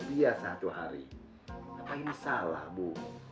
apa ini salah bu